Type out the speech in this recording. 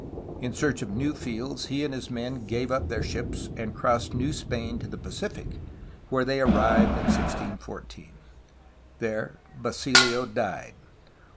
In search of new fields he and his men gave up their ships, and crossed New Spain to the Pacific, where they arrived in 1614. There Basilio died.